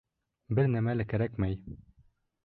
Бер нәмә лә кәрәкмәй.